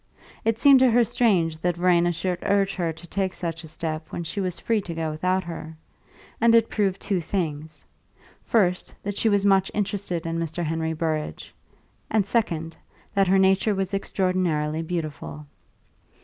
It seemed to her strange that Verena should urge her to take such a step when she was free to go without her, and it proved two things: first, that she was much interested in Mr. Henry Burrage, and second, that her nature was extraordinarily beautiful.